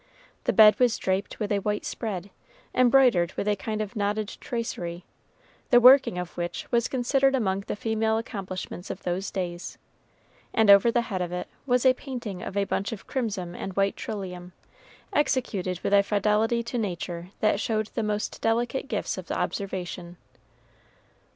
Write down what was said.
The bed was draped with a white spread, embroidered with a kind of knotted tracery, the working of which was considered among the female accomplishments of those days, and over the head of it was a painting of a bunch of crimson and white trillium, executed with a fidelity to Nature that showed the most delicate gifts of observation.